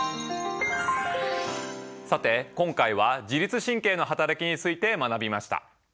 さて今回は自律神経のはたらきについて学びました。